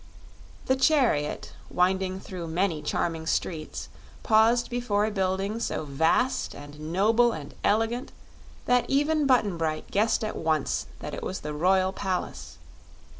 The chariot, winding through many charming streets, paused before a building so vast and noble and elegant that even Button Bright guessed at once that it was the Royal Palace.